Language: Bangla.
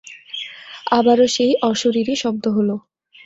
আবারো সেই অশরীরী শব্দ হল।